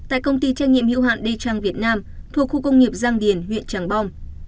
tại công ty trách nhiệm hiệu hạn đê trang việt nam thuộc khu công nghiệp giang điền huyện tràng bom